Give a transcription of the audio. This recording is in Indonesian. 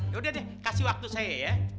yaudah deh kasih waktu saya ya